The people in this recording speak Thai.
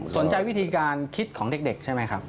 สนใจวิธีการคิดของเด็กใช่ไหมครับ